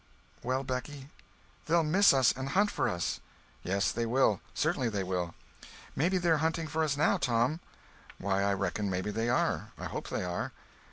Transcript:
"Well, Becky?" "They'll miss us and hunt for us!" "Yes, they will! Certainly they will!" "Maybe they're hunting for us now, Tom." "Why, I reckon maybe they are. I hope they are."